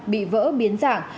bị vỡ biến dạng